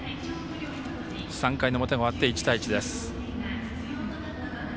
３回の表が終わって１対１です。